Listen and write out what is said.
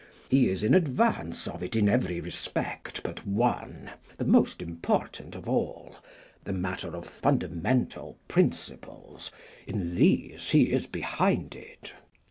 He is in advance of it in every respect but one, the most important of all, the matter of fundamental principles; in these he is behind it.